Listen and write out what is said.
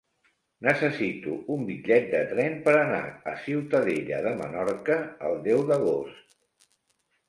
Necessito un bitllet de tren per anar a Ciutadella de Menorca el deu d'agost.